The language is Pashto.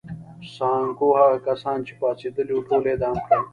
سانکو هغه کسان چې پاڅېدلي وو ټول اعدام کړل.